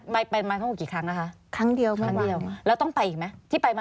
ไปมาทั้งกี่ครั้งนะคะ